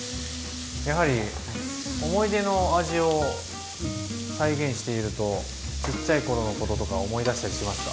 やはり思い出の味を再現しているとちっちゃい頃のこととか思い出したりしますか？